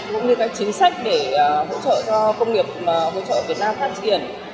cũng như các chính sách để hỗ trợ cho công nghiệp hỗ trợ việt nam phát triển